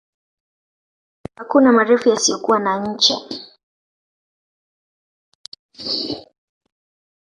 Hakuna marefu yasiyokuwa na ncha